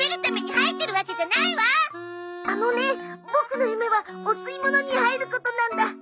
あのねボクの夢はお吸い物に入ることなんだ。